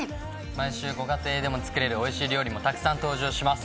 毎週ご家庭でも作れるおいしい料理もたくさん登場します。